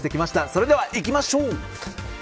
それではいきましょう。